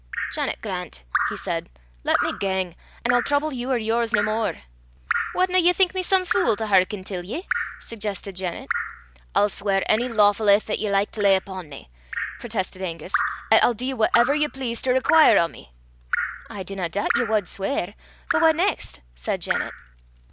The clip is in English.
"Janet Grant," he said, "lat me gang, an' I'll trouble you or yours no more." "Wadna ye think me some fule to hearken till ye?" suggested Janet. "I'll sweir ony lawfu' aith 'at ye like to lay upo' me," protested Angus, "'at I'll dee whatever ye please to require o' me." "I dinna doobt ye wad sweir; but what neist?" said Janet.